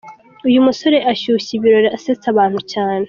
Uyu musore ashyushya ibirori asetsa abantu cyane.